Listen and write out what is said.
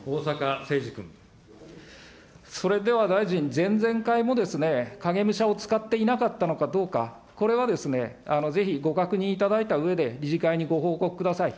それでは大臣、前々回も、影武者を使っていなかったのかどうか、これはぜひご確認いただいたうえで、理事会にご報告ください。